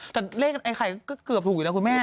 แต่เลขไอ้ไข่ก็เกือบถูกอยู่แล้วคุณแม่